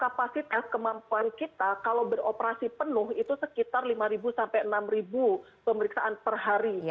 kapasitas kemampuan kita kalau beroperasi penuh itu sekitar lima sampai enam pemeriksaan per hari